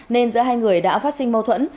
nên giữa hai người đã phát sinh mô thuẫn